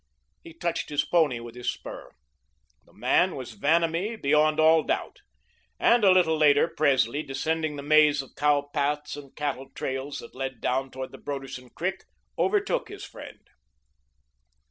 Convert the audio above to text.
He touched his pony with his spur. The man was Vanamee beyond all doubt, and a little later Presley, descending the maze of cow paths and cattle trails that led down towards the Broderson Creek, overtook his friend.